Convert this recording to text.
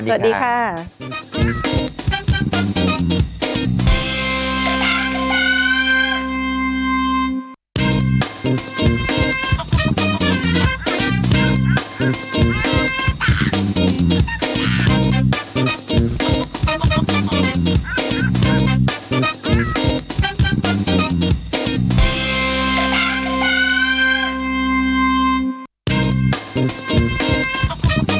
สวัสดีค่ะ